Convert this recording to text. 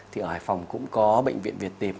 thì ở hải phòng cũng có bệnh viện việt tiệp